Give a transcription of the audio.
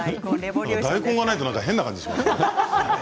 大根がないと変な感じがしますね。